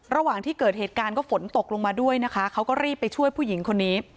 ระหว่างที่เกิดเหตุการณ์ก็ฝนตกลงมาด้วยนะคะเขาก็รีบไปช่วยผู้หญิงคนนี้